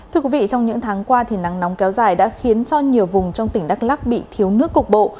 thưa quý vị trong những tháng qua thì nắng nóng kéo dài đã khiến cho nhiều vùng trong tỉnh đắk lắc bị thiếu nước cục bộ